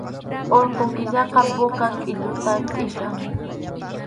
Urqu kisaqa puka qʼilluta tʼikan